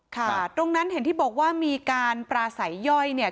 ค่ะตรงนั้นเห็นที่บอกว่ามีการปราศัยย่อยเนี่ย